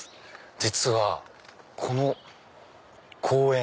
実はこの公園。